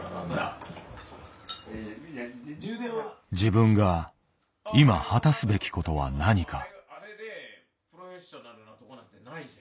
自分が今果たすべきことは何か。